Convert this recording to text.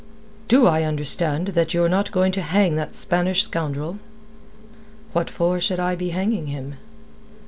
"Do I understand that ye're not going to hang that Spanish scoundrel?" "What for should I be hanging him?"